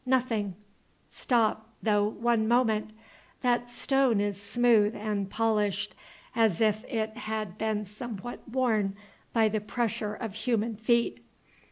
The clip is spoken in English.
Nothing Stop, though, one moment. That stone is smooth and polished, as if it had been somewhat worn by the pressure of human feet.